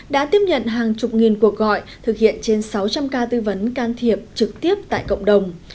đã tiếp nhận hàng chục nghìn cuộc gọi thực hiện trên sáu trăm linh ca tư vấn can thiệp trực tiếp tại cộng đồng